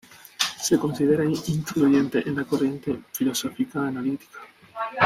Se considera influyente en la corriente filosófica analítica.